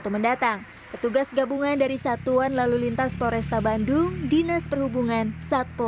mendatang petugas gabungan dari satuan lalu lintas foresta bandung dinas perhubungan satpo